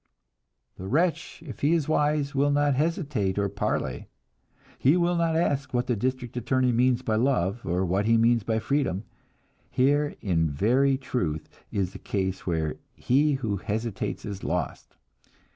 The wretch, if he is wise, will not hesitate or parley; he will not ask what the district attorney means by love, or what he means by freedom. Here in very truth is a case where "he who hesitates is lost!"